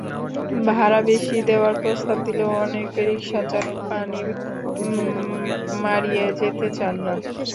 ভাড়া বেশি দেওয়ার প্রস্তাব দিলেও অনেক রিকশাচালক পানি মাড়িয়ে যেতে চান না।